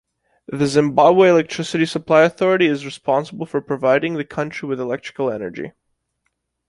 The Zimbabwe Electricity Supply Authority is responsible for providing the country with electrical energy.